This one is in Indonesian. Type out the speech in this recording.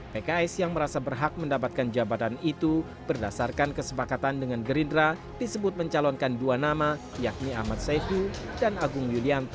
pks yang merasa berhak mendapatkan jabatan itu berdasarkan kesepakatan dengan gerindra disebut mencalonkan dua nama yakni ahmad saiku dan agung yulianto